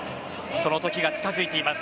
その時が近づいています。